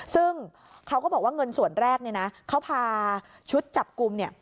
ซึ่งเขาก็บอกว่าเงินส่วนแรกเนี่ยนะเขาพาชุดจับกลุ่มเนี่ย